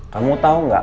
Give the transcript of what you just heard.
kamu tau gak